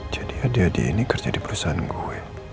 jadi adi adi ini kerja di perusahaan gue